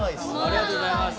ありがとうございます。